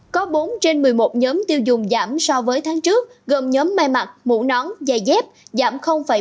có bốn trên một mươi một nhóm tiêu dùng giảm so với tháng trước gồm nhóm mai mặt mũ nón dài dép giảm một mươi một